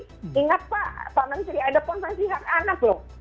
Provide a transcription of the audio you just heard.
jadi ingat pak pak menteri ada ponsensi hak anak lho